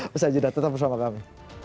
mas ajuda tetap bersama kami